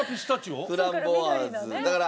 フランボワーズだから。